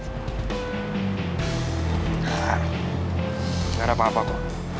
gak ada apa apa bu